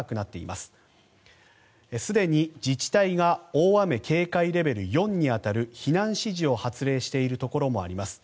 すでに自治体が大雨警戒レベル４に当たる避難指示を発令しているところもあります。